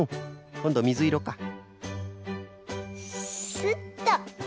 スッと。